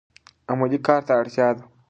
عملي کار ته اړتیا ده.